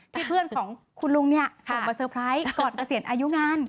เพื่อนของคุณลุงเนี่ยส่งมาเตอร์ไพรส์ก่อนเกษียณอายุงาน